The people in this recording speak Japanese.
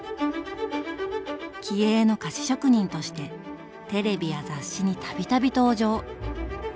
気鋭の菓子職人としてテレビや雑誌に度々登場。